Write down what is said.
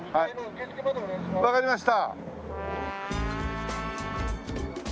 わかりました。